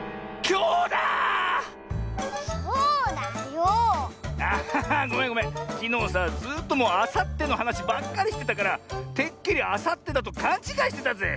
きのうさずっともうあさってのはなしばっかりしてたからてっきりあさってだとかんちがいしてたぜ。